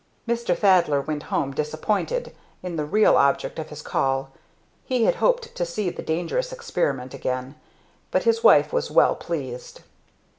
Mr. Thaddler went home disappointed in the real object of his call he had hoped to see the Dangerous Experiment again. But his wife was well pleased.